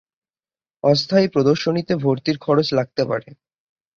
অস্থায়ী প্রদর্শনীতে ভর্তির খরচ লাগতে পারে।